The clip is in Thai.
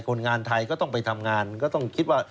คนงานไทยก็ต้องไปทำงานก็ต้องคิดว่า